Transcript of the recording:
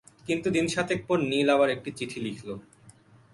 কিন্তু দিন সাতেক পর নীল আবার একটি চিঠি লিখল।